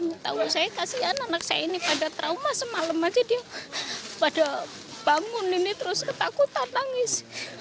nggak tahu saya kasihan anak saya ini pada trauma semalam aja dia pada bangun ini terus ketakutan nangis